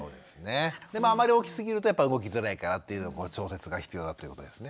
でもあまり大きすぎるとやっぱり動きづらいからっていうので調節が必要だということですね。